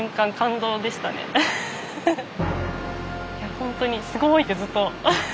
本当に「すごい！」ってずっと。